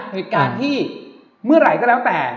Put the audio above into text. เหตุการณ์ที่เมื่อไหร่ก็แล้วแต่